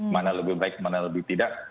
mana lebih baik mana yang lebih tidak